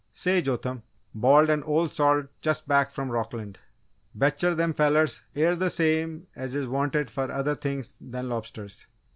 "Say, Jotham!" bawled an old salt just back from Rockland, "Bet'cher them fellers air the same es is wanted fer other things than lobsters!"